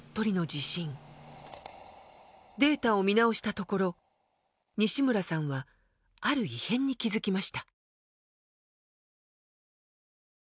データを見直したところ西村さんはある異変に気付きました。